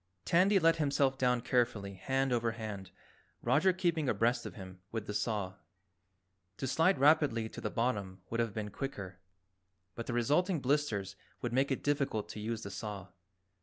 Tandy let himself down carefully hand over hand, Roger keeping abreast of him with the saw. To slide rapidly to the bottom would have been quicker, but the resulting blisters would make it difficult to use the saw.